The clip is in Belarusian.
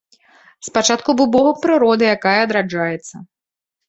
Спачатку быў богам прыроды, якая адраджаецца.